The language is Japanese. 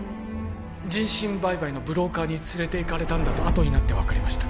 人身売買のブローカーに連れていかれたんだとあとになって分かりました